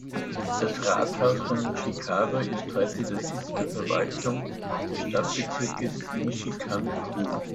Das Rathaus von Nishikawa ist heute der Sitz der Verwaltung des Stadtbezirkes Nishikan-ku.